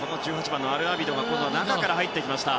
１８番、アルアビドが中から入ってきました。